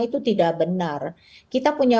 itu tidak benar kita punya